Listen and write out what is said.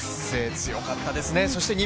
強かったですね。